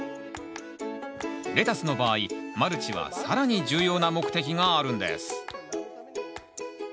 レタスの場合マルチは更に重要な目的があるんです